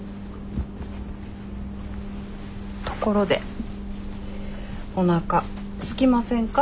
ところでおなかすきませんか？